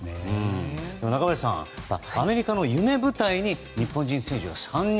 中林さん、アメリカの夢舞台に日本人選手が３人。